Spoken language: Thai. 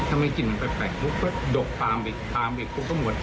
ถึงถึงมันแปลกก็ดบปากอีกปกหมด